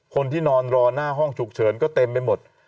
คนที่นอนรอหน้าห้องฉุกเฉินก็เต็มไปหมด